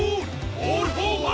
オールフォーワン！